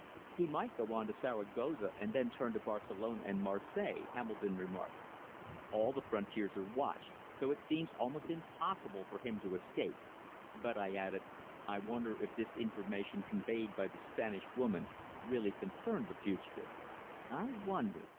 "He might go on to Zaragoza and then turn to Barcelona and Marseilles," Hambledon remarked. "All the frontiers are watched, so it seems almost impossible for him to escape. But," I added, "I wonder if this information conveyed by the Spanish woman really concerned the fugitive?" "I wonder.